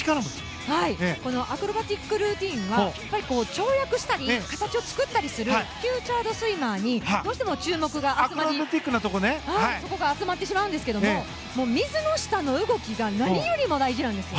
アクロバティックルーティンは跳躍したり形を作ったりするフィーチャードスイマーにどうしても注目が集まってしまうんですけども水の下の動きが何よりも大事なんです。